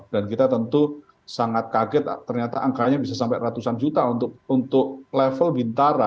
dan kita tentu sangat kaget ternyata angkanya bisa sampai ratusan juta untuk level bintara